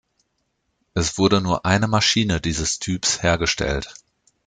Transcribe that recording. Es wurde nur eine Maschine dieses Typs hergestellt.